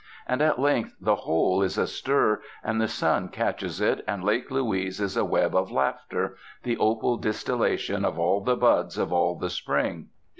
And, at length, the whole is astir, and the sun catches it, and Lake Louise is a web of laughter, the opal distillation of all the buds of all the spring.